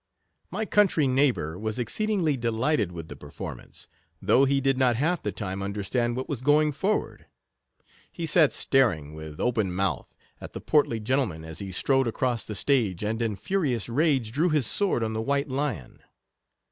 My country neighbour was exceedingly delighted with the performance, though he did not half the time understand what was going forward. He sat staring, with open mouth, at the portly gentleman, as he strode across the stage, and in furious rage drew his sword on the white lion.